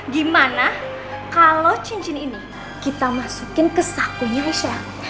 gimana kalo cincin ini kita masukin kesakunya aisyah